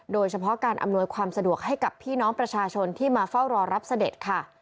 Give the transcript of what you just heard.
โดยเฉพาะการอำนวยความสะดวกให้กับพี่น้องประชาชนที่มาเฝ้ารอรับเสด็จค่ะ